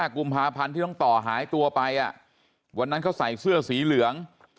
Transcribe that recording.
กุมภาพันธ์ที่น้องต่อหายตัวไปวันนั้นเขาใส่เสื้อสีเหลือง